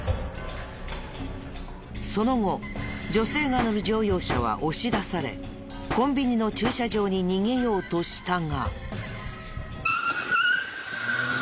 その後女性が乗る乗用車は押し出されコンビニの駐車場に逃げようとしたが。